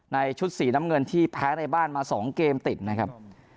ชุดสีน้ำเงินที่แพ้ในบ้านมา๒เกมติดนะครับ